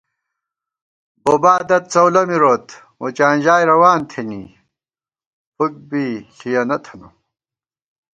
بوبا دَد څؤلَہ مِروت مُچانژائےروان تھنی فُک بی ݪِیَنہ تھنہ